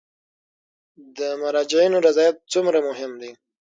د مراجعینو رضایت څومره مهم دی؟